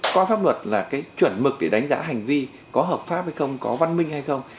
coi pháp luật là cái chuẩn mực để đánh giá hành vi có hợp pháp hay không có văn minh hay không